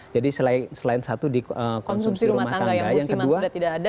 jadi selain satu di konsumsi rumah tangga yang musiman sudah tidak ada